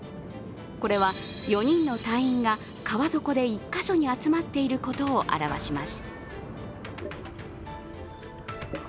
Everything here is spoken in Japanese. これは４人の隊員が川底で１か所に集まっていることを表します。